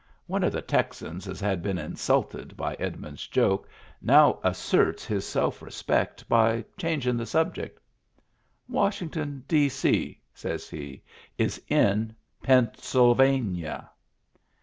One of the Texans as had been insulted by Edmund's joke now asserts his self respect by changin* the subject. "Washington, D.C.," says he, "is in Pennsyl vania."